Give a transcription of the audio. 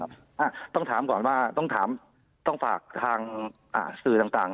อ่าต้องถามก่อนว่าต้องถามต้องฝากทางสื่อต่างต่าง